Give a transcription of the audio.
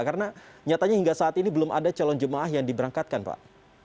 karena nyatanya hingga saat ini belum ada calon jemaah yang diberangkatkan pak